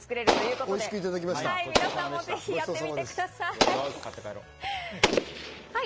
皆さんもぜひやってみてください。